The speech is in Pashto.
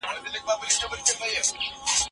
ایا ټکنالوژي هر وخت ګټوره ده؟